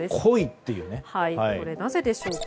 これ、なぜでしょうか。